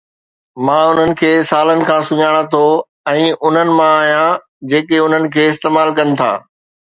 مان انھن کي سالن کان سڃاڻان ٿو ۽ انھن مان آھيان جيڪي انھن کي استعمال ڪن ٿا.